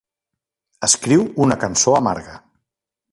Escriu una cançó amarga.